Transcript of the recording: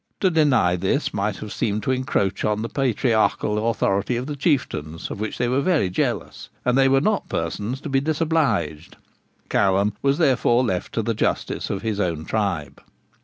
To deny this might have seemed to encroach on the patriarchal authority of the Chieftains, of which they were very jealous, and they were not persons to be disobliged. Callum was therefore left to the justice of his own tribe.